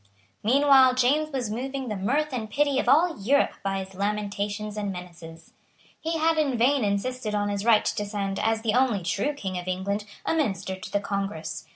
Meanwhile James was moving the mirth and pity of all Europe by his lamentations and menaces. He had in vain insisted on his right to send, as the only true King of England, a minister to the Congress.